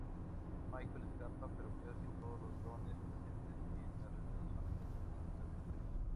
Michael escapa, pero casi todos los Dones presentes en la reunión son asesinados brutalmente.